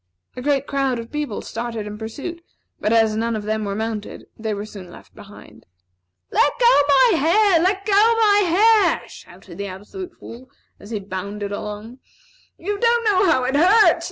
A great crowd of people started in pursuit, but as none of them were mounted, they were soon left behind. "Let go my hair! Let go my hair!" shouted the Absolute Fool, as he bounded along. "You don't know how it hurts.